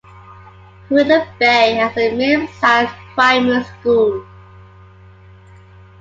Cruden Bay has a medium sized primary school.